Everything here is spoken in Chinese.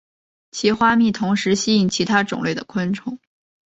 其花蜜同时吸引其他种类的昆虫。